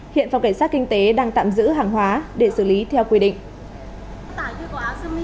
hiện phòng cảnh sát kinh tế đang tạm giữ hàng hóa để xử lý theo quy định